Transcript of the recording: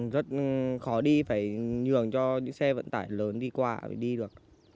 rất khó đi phải nhường cho những xe vận tải lớn đi qua phải đi được